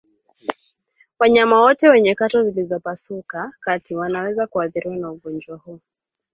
Wanyama wote wenye kwato zilizopasuka kati wanaweza kuathiriwa na ugonjwa huu